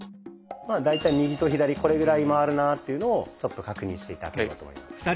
まあ大体右と左これぐらい回るなぁっていうのをちょっと確認して頂ければと思います。